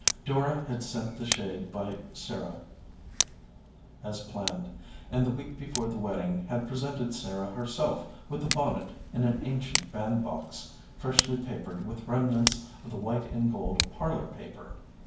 Dora had sent the shade by Sarah as planned, and the week before the wedding had presented Sarah herself with the bonnet in an ancient band box, freshly papered with remnants of the white and gold parlor paper.